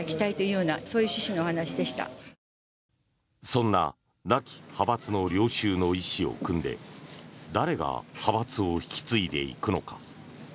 そんな亡き派閥の領袖の意思をくんで誰が派閥を引き継いでいくのか。